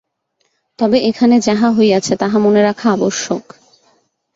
তবে এখানে যাহা হইয়াছে, তাহা মনে রাখা আবশ্যক।